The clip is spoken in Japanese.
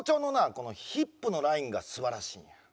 このヒップのラインが素晴らしいんや。